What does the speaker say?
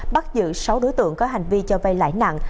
bắt giữ sáu đối tượng có hành vi cho vay lãi nặng